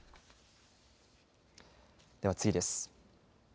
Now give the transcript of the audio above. では次です。